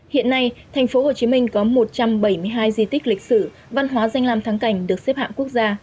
hiện nay tp hcm có một trăm bảy mươi hai di tích lịch sử văn hóa danh làm thắng cảnh được xếp hạng quốc gia